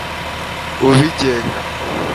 ubigenga